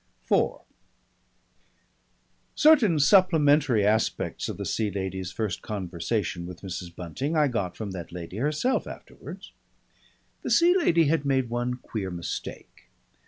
IV Certain supplementary aspects of the Sea Lady's first conversation with Mrs. Bunting I got from that lady herself afterwards. The Sea Lady had made one queer mistake.